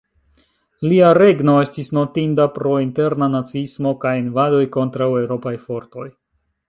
Lia regno estis notinda pro interna naciismo kaj invadoj kontraŭ Eŭropaj fortoj.